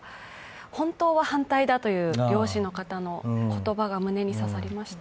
本当は反対だという漁師の方の言葉が胸に刺さりました。